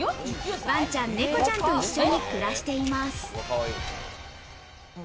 ワンちゃんネコちゃんと一緒に暮らしています。